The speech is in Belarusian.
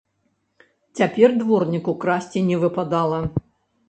Цяпер дворніку красці не выпадала.